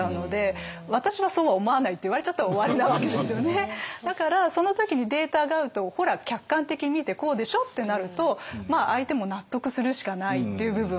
結局だからその時にデータが合うとほら客観的に見てこうでしょうってなると相手も納得するしかないという部分。